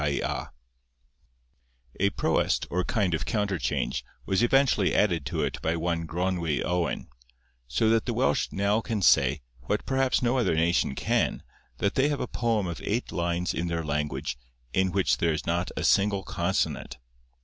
A proest, or kind of counterchange, was eventually added to it by one Gronwy Owen, so that the Welsh now can say, what perhaps no other nation can, that they have a poem of eight lines in their language, in which there is not a single consonant.